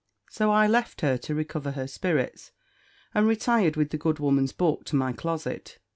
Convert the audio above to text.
So I left her, to recover her spirits, and retired with the good woman's book to my closet.